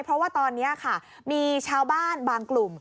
เพราะว่าตอนนี้ค่ะมีชาวบ้านบางกลุ่ม